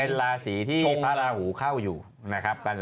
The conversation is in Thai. เป็นราศีที่มีพระราหูเข้าอยู่นะครับ